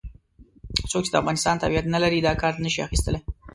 څوک چې د افغانستان تابعیت نه لري دا کارت نه شي اخستلای.